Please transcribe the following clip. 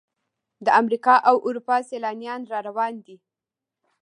د امریکا او اروپا سیلانیان را روان دي.